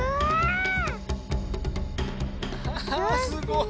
あすごい。